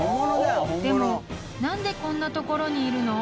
［でも何でこんな所にいるの？］